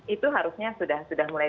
itu harusnya sudah mulai